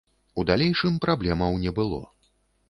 У далейшым праблемаў не было.